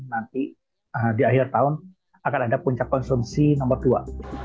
nanti di akhir tahun akan ada puncak konsumsi nomor dua